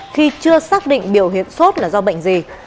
khi chưa xác định biểu hiện sốt là do bệnh gì